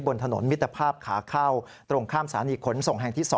บนถนนมิตรภาพขาเข้าตรงข้ามสารีขนส่งแห่งที่๒